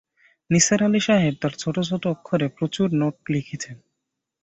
নিসার আলি সাহেব তাঁর ছোট-ছোট অক্ষরে প্রচুর নোিট লিখেছেন।